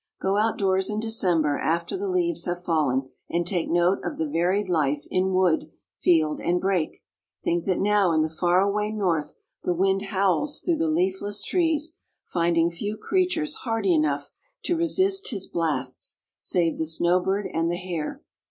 Go out doors in December after the leaves have fallen and take note of the varied life in wood, field and brake; think that now in the far away North the wind howls through the leafless trees, finding few creatures hardy enough to resist his blasts save the snowbird and the hare.